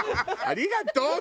ありがとう！